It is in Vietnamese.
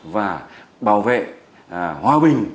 và bảo vệ hòa bình